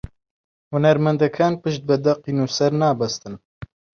هونەرمەندەکان پشت بە دەقی نووسەر نابەستن